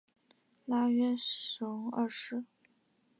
拉约什二世。